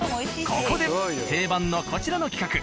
ここで定番のこちらの企画。